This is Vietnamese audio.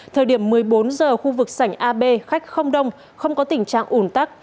thời điểm một mươi bốn giờ khu vực sảnh ab khách không đông không có tình trạng ủn tắc